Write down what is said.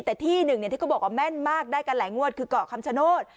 แต่ที่หนึ่งที่เขาบอกว่าแม่นมากได้กันหลายงวดคือเกาะคำชโนธ